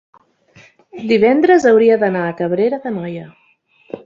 divendres hauria d'anar a Cabrera d'Anoia.